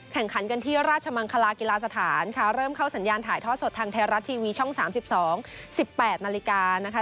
แข่งขันกันที่ราชมังคลากีฬาสถานค่ะเริ่มเข้าสัญญาณถ่ายทอดสดทางไทยรัฐทีวีช่อง๓๒๑๘นาฬิกานะคะ